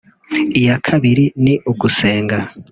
iya kabiri ni ugusenga